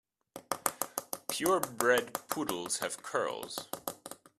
Pure bred poodles have curls.